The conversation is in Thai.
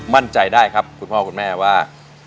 มั่นใจได้ครับคุณพ่อคุณแม่ว่า